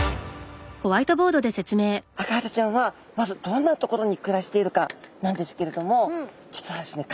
アカハタちゃんはまずどんな所に暮らしているかなんですけれども実はですね